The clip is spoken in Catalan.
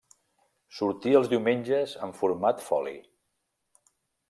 Sortia els diumenges en format foli.